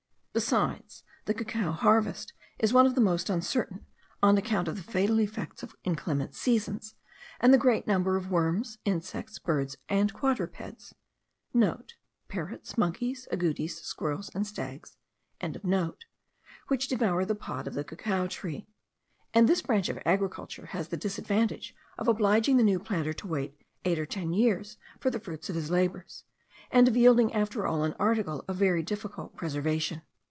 Besides, the cacao harvest is one of the most uncertain, on account of the fatal effects of inclement seasons, and the great number of worms, insects, birds, and quadrupeds,* (* Parrots, monkeys, agoutis, squirrels, and stags.) which devour the pod of the cacao tree; and this branch of agriculture has the disadvantage of obliging the new planter to wait eight or ten years for the fruit of his labours, and of yielding after all an article of very difficult preservation.